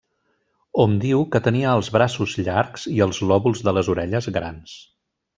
Hom diu que tenia els braços llargs i els lòbuls de les orelles grans.